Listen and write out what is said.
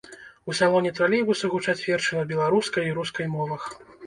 У салоне тралейбуса гучаць вершы на беларускай і рускай мовах.